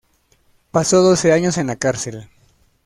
Pasó doce años en la cárcel.